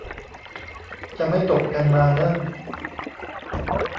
จะไม่ตกกันมาเนอะ